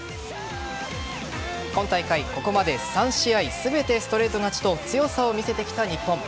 今大会、ここまで３試合全てストレート勝ちと強さを見せてきた日本。